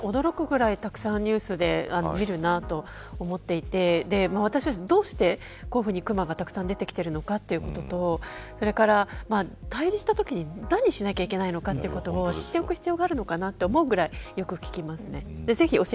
本当に驚くぐらいたくさんニュースで見るなと思っていてどうしてクマがたくさん出てきているのかということとそれから対峙したときに何をしなきゃいけないのかということを知っておく必要があるのかなと思うぐらい、よく聞きます。